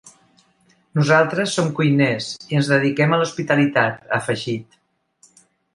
Nosaltres som cuiners i ens dediquem a l’hospitalitat, ha afegit.